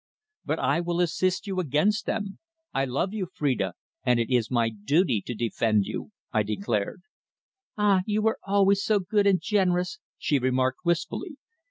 "But I will assist you against them. I love you, Phrida, and it is my duty to defend you," I declared. "Ah! You were always so good and generous," she remarked wistfully.